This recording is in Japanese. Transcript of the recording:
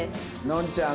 のんちゃん